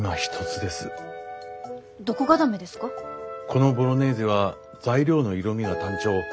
このボロネーゼは材料の色みが単調。